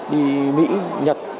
đi mỹ nhật